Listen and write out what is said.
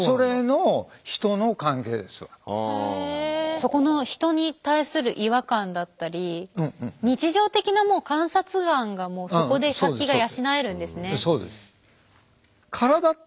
そこの人に対する違和感だったり日常的な観察眼がそこで殺気が養えるんですね。